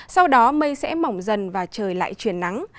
sau đó mây sẽ mỏng dần và trời lại chuyển nắng